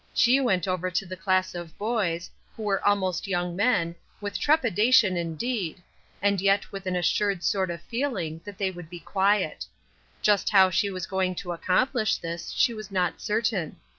She went over to the class of boys, who were almost young men, with trepidation indeed, and yet with an assured sort of feeling that they would be quiet. Just how she was going to accomplish this she was not certain.